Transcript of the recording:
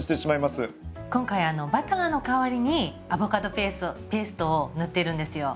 今回バターの代わりにアボカドペーストを塗ってるんですよ。